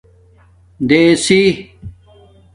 دیسِی